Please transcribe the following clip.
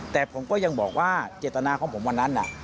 แต่ผมก็ยังบอกว่าเจตนาของผมวันนั้น